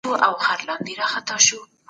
خپلي وعدې به په خپل وخت پوره کوئ.